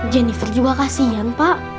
jennifer juga kasihan pak